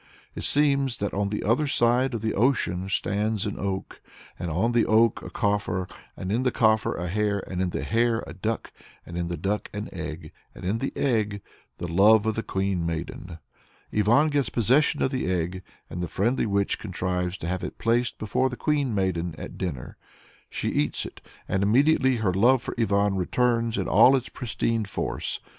It seems "that on the other side of the ocean stands an oak, and on the oak a coffer, and in the coffer a hare, and in the hare a duck, and in the duck an egg, and in the egg the love of the Queen Maiden." Ivan gets possession of the egg, and the friendly witch contrives to have it placed before the Queen Maiden at dinner. She eats it, and immediately her love for Ivan returns in all its pristine force.